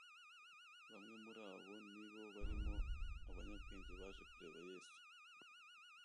Bamwe muri abo ni bo barimo abanyabwenge baje kureba Yesu.